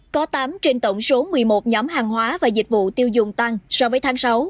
có tám trên tổng số một mươi một nhóm hàng hóa và dịch vụ tiêu dùng tăng so với tháng sáu